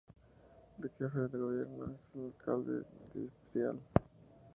El jefe del gobierno es el alcalde distrital.